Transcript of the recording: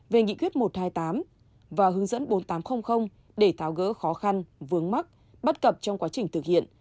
về nghị quyết một trăm hai mươi tám và hướng dẫn bốn nghìn tám trăm linh để tháo gỡ khó khăn vướng mắc bất cập trong quá trình thực hiện